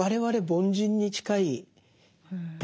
凡人に近い。